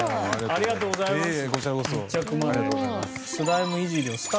ありがとうございます。